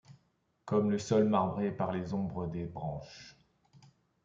Comme le sol marbré par les ombres des branches